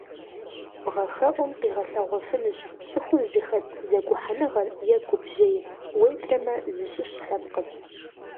Бгъэхэӏум къигъэлъэгъуэфынущ цӏыхур зыхэт зэгухьэныгъэр е гупжьейр, уеблэмэ зыщыщ лъэпкъыр.